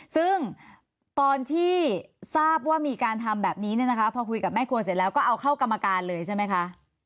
ซึ่งตอนที่ทราบว่ามีการทำแบบนี้เนี่ยนะคะพอคุยกับแม่ครัวเสร็จแล้วก็เอาเข้ากรรมการเลยใช่ไหมคะ